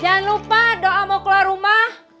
jangan lupa doa mau keluar rumah